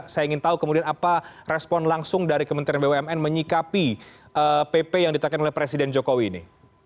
saya ingin tahu kemudian apa respon langsung dari kementerian bumn menyikapi pp yang ditekan oleh presiden jokowi ini